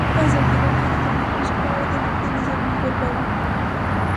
ازادي راډیو د طبیعي پېښې په اړه د نقدي نظرونو کوربه وه.